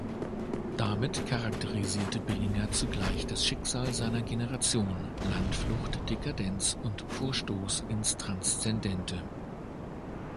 Damit charakterisierte Billinger zugleich das Schicksal seiner Generation; Landflucht, Dekadenz und Vorstoß ins Transzendente.